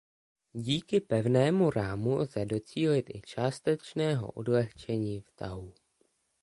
Díky pevnému rámu lze docílit i částečného odlehčení v tahu.